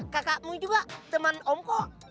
kakakmu juga teman om kok